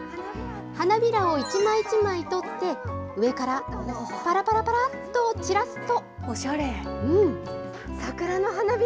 花びらを一枚一枚取って、上からぱらぱらぱらっと散らすと。